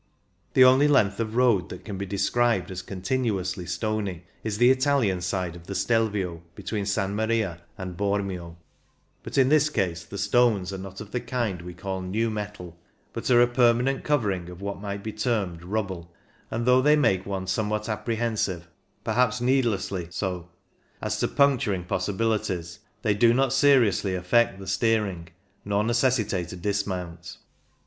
The only WHAT ARE THE RISKS? 199 length of road that can be described as con tinuously stony is the Italian side of the Stelvio between S. Maria and Bormio ; but in this case the stones are not of the kind we call *'new metal," but are a permanent cover ing of what might be termed " rubble," and though they make one somewhat apprehen sive, perhaps needlessly so, as to punctur ing possibilities, they do not seriously affect the steering nor necessitate a dismount.